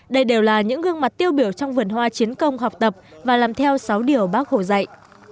đây đều là những gương mặt tiêu biểu trong vườn hoa chiến công học tập và làm theo sáu điều bác hồ dạy